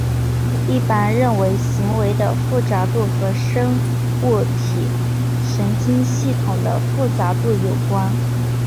一般认为行为的复杂度和生物体神经系统的复杂度有关。